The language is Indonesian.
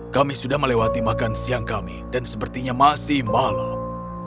kami sudah melewati makan siang kami dan sepertinya masih malam